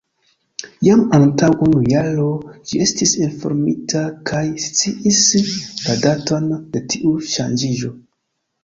Jam antaŭ unu jaro ĝi estis informita kaj sciis la daton de tiu ŝanĝiĝo.